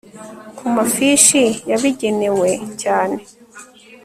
ku mafishi yabigenewe cyane